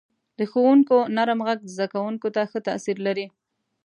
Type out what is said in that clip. • د ښوونکو نرم ږغ زده کوونکو ته ښه تاثیر لري.